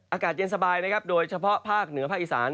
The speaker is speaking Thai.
อากาศเย็นสบายนะครับโดยเฉพาะภาคเหนือภาคอีสาน